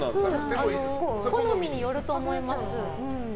好みによると思います。